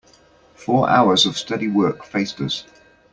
Four hours of steady work faced us.